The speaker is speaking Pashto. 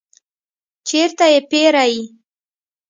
چیرته یی پیرئ؟